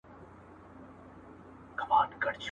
• مځکه وايي په تا کي چي گناه نه وي مه بېرېږه.